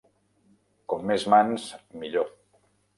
Com més mans, millor.